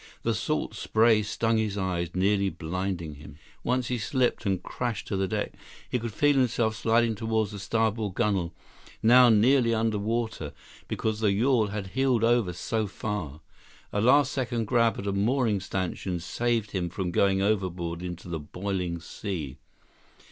The salt spray stung his eyes, nearly blinding him. Once he slipped and crashed to the deck. He could feel himself sliding toward the starboard gunnel, now nearly under water because the yawl had heeled over so far. A last second grab at a mooring stanchion saved him from going overboard into the boiling sea.